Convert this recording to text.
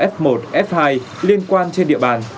f một f hai liên quan trên địa bàn